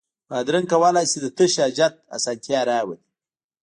بادرنګ کولای شي د تشو حاجت اسانتیا راولي.